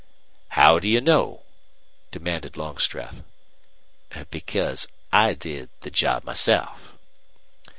"How do you know?" demanded Longstreth. "Because I did the job myself."